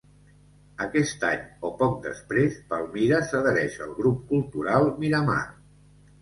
Aquest any, o poc després, Palmira s'adhereix al grup cultural Miramar.